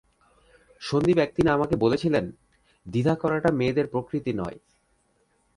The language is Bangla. সন্দীপ একদিন আমাকে বলেছিলেন, দ্বিধা করাটা মেয়েদের প্রকৃতি নয়।